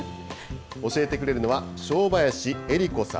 教えてくれるのは正林恵理子さん。